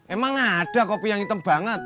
emang ada kopi yang hitam banget